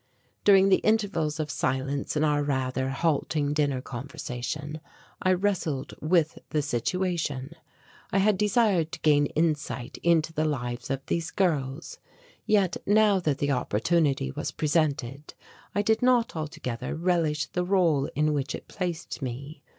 During the intervals of silence in our rather halting dinner conversation, I wrestled with the situation. I had desired to gain insight into the lives of these girls. Yet now that the opportunity was presented I did not altogether relish the rôle in which it placed me.